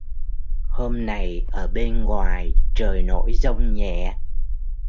Hôm này ở bên ngoài trời nổi giông nhẹ